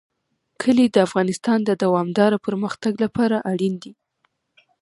کلي د افغانستان د دوامداره پرمختګ لپاره اړین دي.